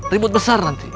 ribut besar nanti